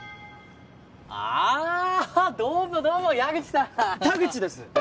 ああどうもどうも矢口さん田口です！